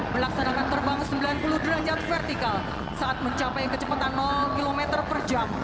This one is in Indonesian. melaksanakan terbang sembilan puluh derajat vertikal saat mencapai kecepatan km per jam